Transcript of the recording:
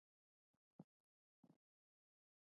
د استاد بینوا ليکني د علم او ادب خزانه ده.